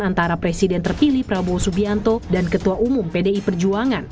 antara presiden terpilih prabowo subianto dan ketua umum pdi perjuangan